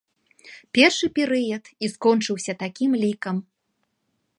Першы перыяд і скончыўся такім лікам.